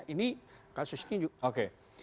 ini kasusnya juga